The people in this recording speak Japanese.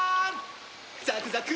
ザクザク！